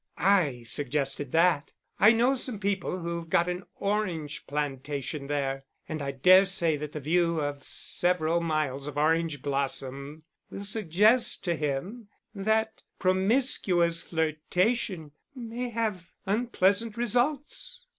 "I suggested that. I know some people who've got an orange plantation there. And I dare say that the view of several miles of orange blossom will suggest to him that promiscuous flirtation may have unpleasant results."